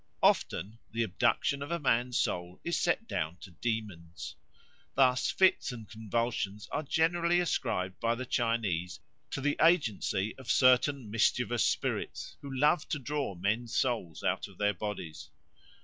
Often the abduction of a man's soul is set down to demons. Thus fits and convulsions are generally ascribed by the Chinese to the agency of certain mischievous spirits who love to draw men's souls out of their bodies.